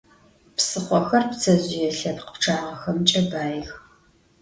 Psıxhoxer ptsezjıê lhepkh pççağexemç'e baix.